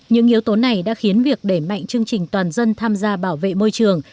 những yếu tố này đã khiến việc đẩy mạnh chương trình toàn dân tham gia bảo vệ môi trường